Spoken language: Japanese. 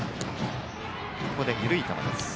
ここで緩い球です。